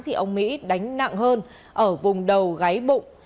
thì ông mỹ đánh nặng hơn ở vùng đầu gáy bụng